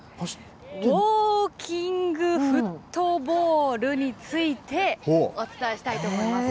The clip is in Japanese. ウォーキングフットボールについてお伝えしたいと思います。